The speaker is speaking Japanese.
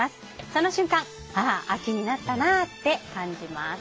その瞬間秋になったなって感じます。